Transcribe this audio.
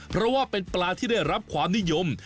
เพราะว่าเป็นปลาที่ได้รับความนิยม